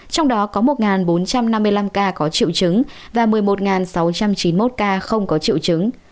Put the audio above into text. trong đó có một bốn trăm năm mươi năm ca có triệu chứng và một mươi một sáu trăm chín mươi một ca không có triệu chứng